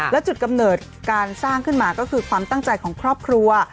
และจุดกำเนิดการสร้างขึ้นมาก็คือความตั้งใจของครอบครัว